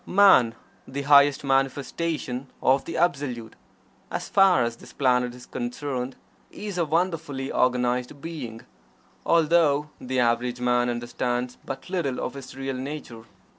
Man, the highest manifestation of the Absolute, as far as this planet is concerned, is a wonderfully organized being although the average man understands but little of his real nature.